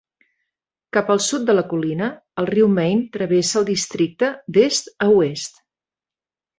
Cap al sud de la colina, el riu Main travessa el districte d'est a oest.